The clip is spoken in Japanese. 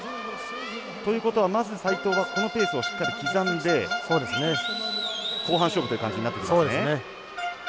ということは、まず齋藤はこのペースをしっかり刻んで後半勝負という感じになってきますね。